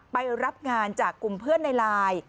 ไปรับงานจากกลุ่มเพื่อนในไลน์